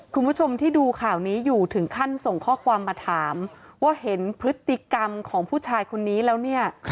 คุณผู้ชมที่ดูข่าวนี้อยู่ถึงขั้นส่งข้อความมาถามว่าเห็นพฤติกรรมของผู้ชายคนนี้แล้วเนี่ย